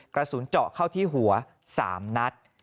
กระสุนเจาะเข้าที่หัว๓นัด